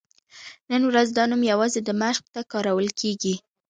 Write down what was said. نن ورځ دا نوم یوازې دمشق ته کارول کېږي.